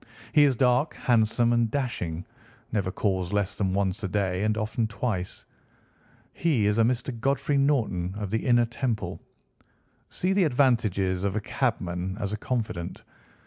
He is dark, handsome, and dashing, never calls less than once a day, and often twice. He is a Mr. Godfrey Norton, of the Inner Temple. See the advantages of a cabman as a confidant.